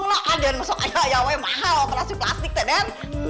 bukan botol lo kan den masuk aja ya woy mahal operasi plastik teh den